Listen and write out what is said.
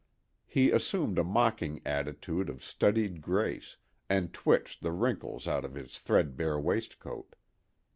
He assumed a mocking attitude of studied grace, and twitched the wrinkles out of his threadbare waistcoat.